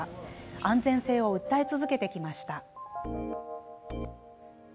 安全性を訴え続けてきました。